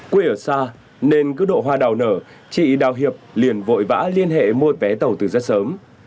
quê ở xa nên cứ độ hoa đào nở chị đào hiệp liền vội vã liên hệ mua vé tàu từ rất sớm